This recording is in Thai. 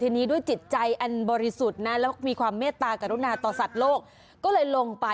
ที่นี่ด้วยจิตใจอันบริสุทธ์นะ